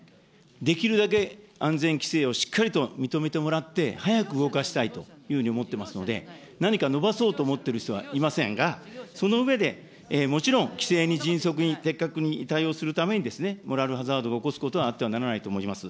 できるだけ安全規制をしっかりと認めてもらって、早く動かししたいというふうに思っていますので、何か延ばそうと思ってる人はいませんが、その上で、もちろん、規制に迅速に的確に対応するために、モラルハザードを起こすことはあってはならないと思います。